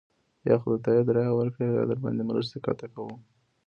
یا خو د تایید رایه ورکړئ او یا درباندې مرستې قطع کوو.